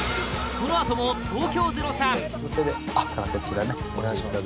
このあともこちらねお願いします